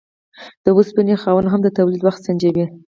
د اوسپنې خاوند هم د تولید وخت سنجوي.